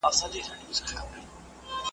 موږ په ازل کاږه پیدا یو نو بیا نه سمیږو .